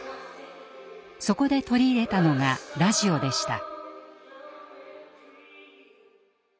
そこで取り入れたのがラジオでした。